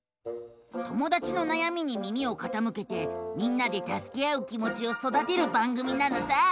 友だちのなやみに耳をかたむけてみんなでたすけ合う気もちをそだてる番組なのさ！